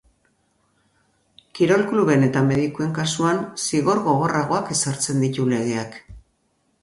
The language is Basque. Kirol kluben eta medikuen kasuan zigor gogorragoak ezartzen ditu legeak.